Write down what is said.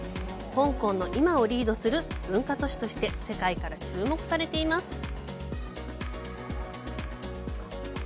香港の今をリードする文化都市として世界から注目されています。